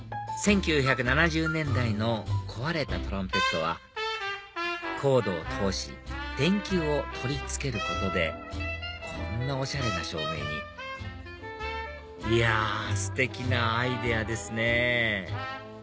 １９７０年代の壊れたトランペットはコードを通し電球を取り付けることでこんなおしゃれな照明にいやステキなアイデアですね